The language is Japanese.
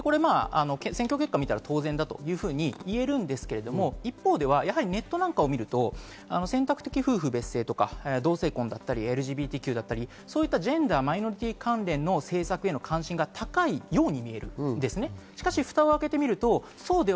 選挙結果を見たら当然だといえるわけですが、一方でネットなんかを見ると選択的夫婦別姓とかＬＧＢＴだったり、ジェンダー、マイノリティー関連の政策への関心が高いように見えるんですね。